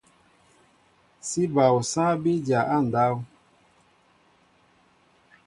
Sí bal osááŋ bí dya á ndáw.